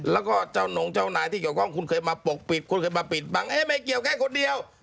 แล้วก็เจ้านงเจ้านายที่เกี่ยวข้องคุณเคยมาปกปิดคุณเคยมาปิดบังเอ๊ะไม่เกี่ยวแค่คนเดียว